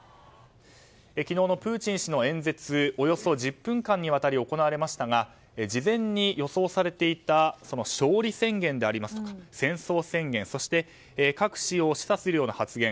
昨日のプーチン氏の演説およそ１０分間にわたり行われましたが事前に予想されていた勝利宣言でありますとか戦争宣言そして、核使用を示唆するような発言